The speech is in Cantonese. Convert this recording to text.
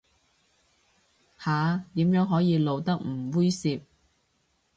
下，點樣可以露得唔猥褻